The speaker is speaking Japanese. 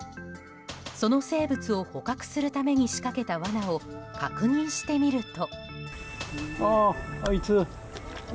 その生物を捕獲するために仕掛けた罠を確認してみると。